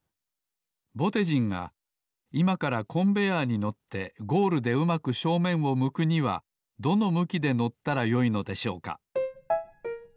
ぼてじんがいまからコンベアーに乗ってゴールでうまく正面を向くにはどの向きで乗ったらよいのでしょうか？